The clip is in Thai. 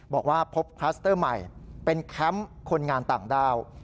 บอกว่าพบคลัสเตอร์ใหม่เป็นแคมป์คนงานต่างด้าว